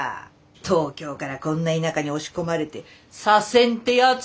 東京からこんな田舎に押し込まれて左遷てやつだろ？